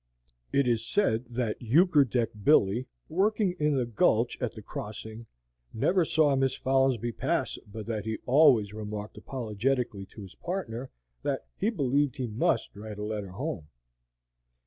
It is said that Euchre deck Billy, working in the gulch at the crossing, never saw Miss Folinsbee pass but that he always remarked apologetically to his partner, that "he believed he MUST write a letter home."